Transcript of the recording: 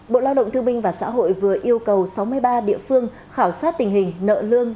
bộ lao động thương binh và xã hội vừa yêu cầu sáu mươi ba địa phương khảo sát tình hình nợ lương